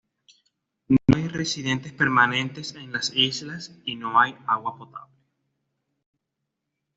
No hay residentes permanentes en las islas y no hay agua potable.